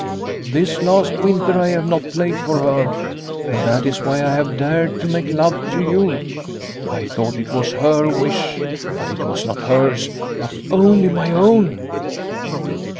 " This last winter I have not played for her, and that is why I have dared to make love to you. I thought it was her wish, but it was not hers, but only my own."